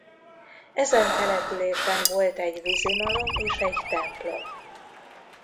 Ezen településen volt egy vízimalom és egy templom.